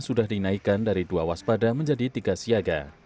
sudah dinaikkan dari dua waspada menjadi tiga siaga